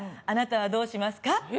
あなたはどうしますか？